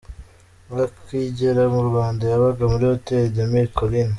Akigera mu Rwanda yabaga muri Hotel des Milles Collines.